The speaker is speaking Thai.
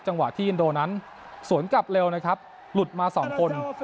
จังหวะที่อินโดนั้นสวนกลับเร็วนะครับหลุดมาสองคน